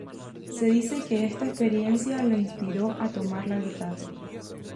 Se dice que esta experiencia lo inspiró a tomar la guitarra.